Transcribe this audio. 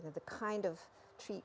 cara penyelidikan dan pendidikan